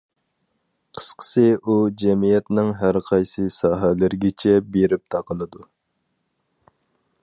قىسقىسى، ئۇ جەمئىيەتنىڭ ھەر قايسى ساھەلىرىگىچە بېرىپ تاقىلىدۇ.